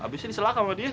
abis ini selaka sama dia